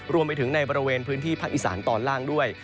รวมไปถึงในบริเวณพื้นที่ภาคอีสานตอนล่างด้วย